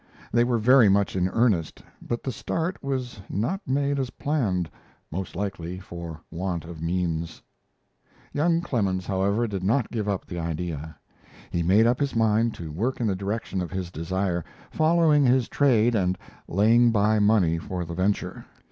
They were very much in earnest, but the start was not made as planned, most likely for want of means. Young Clemens, however, did not give up the idea. He made up his mind to work in the direction of his desire, following his trade and laying by money for the venture.